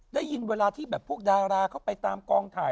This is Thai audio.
ได้ยินเวลาที่แบบพวกดาราเข้าไปตามกองถ่าย